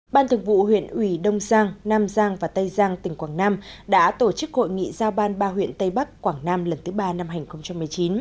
ban thường vụ huyện ủy đông giang nam giang và tây giang tỉnh quảng nam đã tổ chức hội nghị giao ban ba huyện tây bắc quảng nam lần thứ ba năm hai nghìn một mươi chín